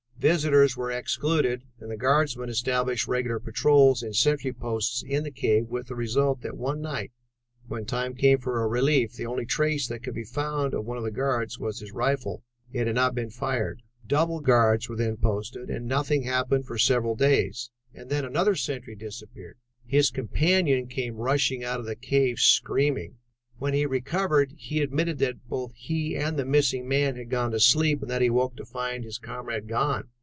Visitors were excluded, and the guardsmen established regular patrols and sentry posts in the cave with the result that one night, when time came for a relief, the only trace that could be found of one of the guards was his rifle. It had not been fired. Double guards were then posted, and nothing happened for several days and then another sentry disappeared. His companion came rushing out of the cave screaming. When he recovered, he admitted that both he and the missing man had gone to sleep and that he awoke to find his comrade gone.